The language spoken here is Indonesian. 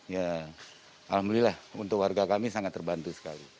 ya alhamdulillah untuk warga kami sangat terbantu sekali